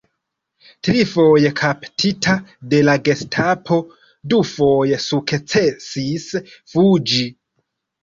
Trifoje kaptita de la gestapo, dufoje sukcesis fuĝi.